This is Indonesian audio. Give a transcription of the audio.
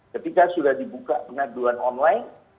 ketika sudah dibuka pengaduan online